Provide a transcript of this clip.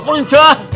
ia tukang sulap